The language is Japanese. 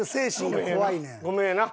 ごめんやな。